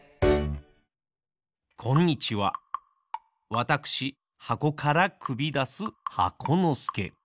わたくしはこからくびだす箱のすけ。